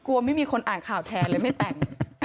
ไม่มีคนอ่านข่าวแทนเลยไม่แต่ง